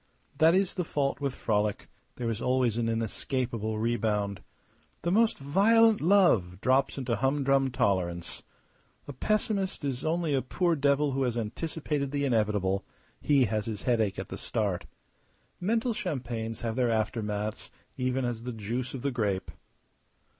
That is the fault with frolic; there is always an inescapable rebound. The most violent love drops into humdrum tolerance. A pessimist is only a poor devil who has anticipated the inevitable; he has his headache at the start. Mental champagnes have their aftermaths even as the juice of the grape.